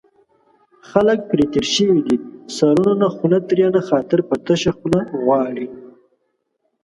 خلک پرې تېر شوي دي سرونو نه خوله ترېنه خاطر په تشه خوله غواړي